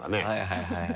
はいはい。